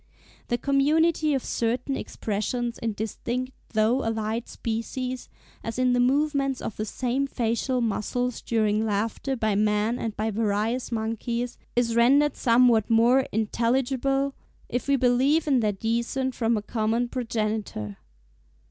The community of certain expressions in distinct though allied species, as in the movements of the same facial muscles during laughter by man and by various monkeys, is rendered somewhat more intelligible, if we believe in their descent from a common progenitor.